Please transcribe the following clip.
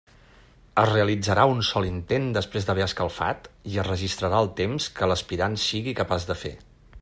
Es realitzarà un sol intent després d'haver escalfat i es registrarà el temps que l'aspirant sigui capaç de fer.